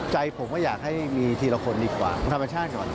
ใจผมก็อยากให้มีทีละคนดีกว่ามันธรรมชาติก่อน